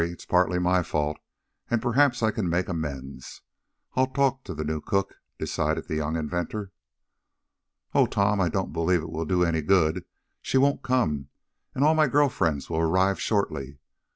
It's partly my fault, and perhaps I can make amends. I'll talk to the new cook," decided the young inventor. "Oh, Tom, I don't believe it will do any good. She won't come, and all my girl friends will arrive shortly."